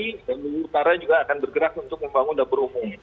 dan lungu utara juga akan bergerak untuk membangun dapur umum